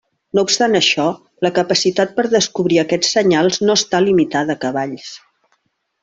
No obstant això, la capacitat per descobrir aquests senyals no està limitada a cavalls.